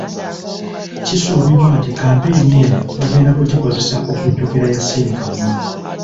Kisubiirwa nti kampeyini eno bagenda kugikozesa okujjukira Yasin Kawuma.